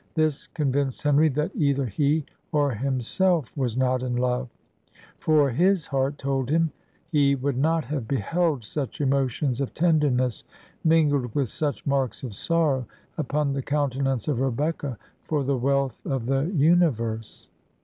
This convinced Henry that either he or himself was not in love; for his heart told him he would not have beheld such emotions of tenderness, mingled with such marks of sorrow, upon the countenance of Rebecca, for the wealth of the universe.